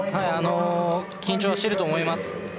緊張はしていると思います